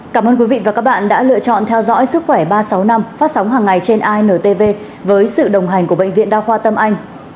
cảm ơn quý vị và các bạn đã lựa chọn theo dõi sức khỏe ba trăm sáu mươi năm phát sóng hàng ngày trên intv với sự đồng hành của bệnh viện đa khoa tâm anh